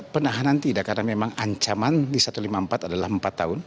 penahanan tidak karena memang ancaman di satu ratus lima puluh empat adalah empat tahun